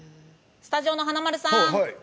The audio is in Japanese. スタジオの華丸さん